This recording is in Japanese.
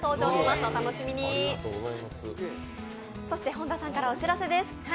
本田さんからお知らせです。